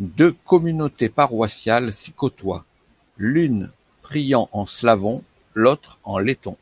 Deux communautés paroissiales s'y côtoient, l'une priant en slavon, l'autre en letton.